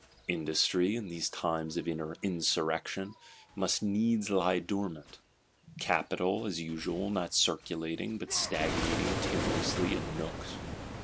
Industry, in these times of Insurrection, must needs lie dormant; capital, as usual, not circulating, but stagnating timorously in nooks.